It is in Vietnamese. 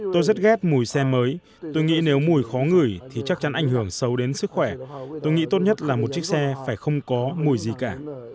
tôi rất ghép mùi xe mới tôi nghĩ nếu mùi khó ngửi thì chắc chắn ảnh hưởng xấu đến sức khỏe tôi nghĩ tốt nhất là một chiếc xe phải không có mùi gì cả